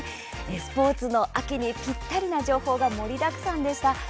スポーツの秋にぴったりな情報が盛りだくさんでしたね。